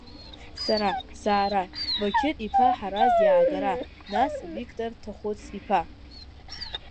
Сара саара, Бақьыр-иԥа Ҳараз иаагара, нас Виқтор Ҭахәыц-иԥа.